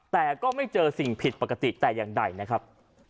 แต่ก็ไม่เจอสิ่งผิดปกติแต่อย่างใดนะครับ